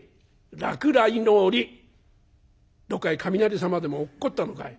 「どっかへ雷様でも落っこったのかい？」。